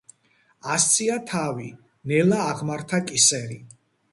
ასწია თავი, ნელა აღმართა კისერი.